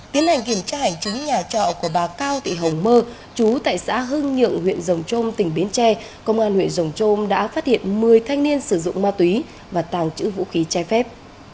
tiến hành kiểm tra hành chính nhà trọ của bà cao thị hồng mơ chú tại xã hưng nhượng huyện rồng trôm tỉnh bến tre công an huyện rồng trôm đã phát hiện một mươi thanh niên sử dụng ma túy và tàng trữ vũ khí chai phép